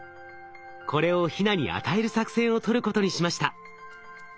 これをヒナに与える作戦を取ることにしました。